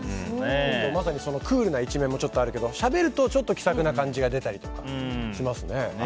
まさにそのクールな一面もちょっとあるけどしゃべると気さくな感じが出たりとかしますね。